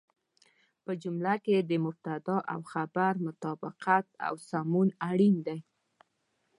په جمله کې د مبتدا او خبر مطابقت او سمون اړين دی.